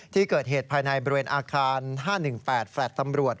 ที่เกิดเหตุภายในบริเวณอาคาร๕๑๘แฟลต์ตำรวจ